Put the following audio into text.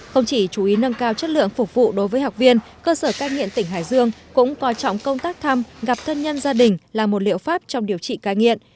không chỉ chú ý nâng cao chất lượng phục vụ đối với học viên cơ sở cai nghiện tỉnh hải dương cũng coi trọng công tác thăm gặp thân nhân gia đình là một liệu pháp trong điều trị cai nghiện